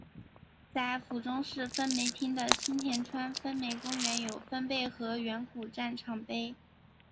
在府中市分梅町的新田川分梅公园有分倍河原古战场碑。